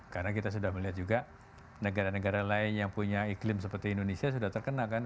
karena kita sudah melihat juga negara negara lain yang punya iklim seperti indonesia sudah terkena kan